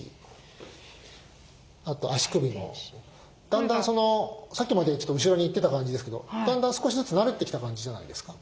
だんだんさっきまでちょっと後ろにいってた感じですけどだんだん少しずつ慣れてきた感じじゃないですか。